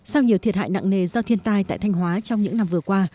sau nhiều thiệt hại nặng nề do thiên tai tại thanh hóa trong những năm vừa qua